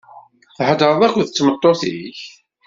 Theḍṛeḍ akked tmeṭṭut-ik?